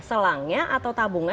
selangnya atau tabungnya